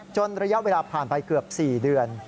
ระยะเวลาผ่านไปเกือบ๔เดือน